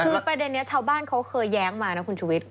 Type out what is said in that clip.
คือประเด็นนี้ชาวบ้านเขาเคยแย้งมานะคุณชุวิต